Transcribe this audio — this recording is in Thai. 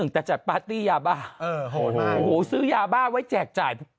แต่จัดปาร์ตี้ยาบ้าโอ้โหซื้อยาบ้าไว้แจกจ่าย